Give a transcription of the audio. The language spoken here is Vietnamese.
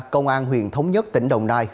công an huyện thống nhất tỉnh đồng nai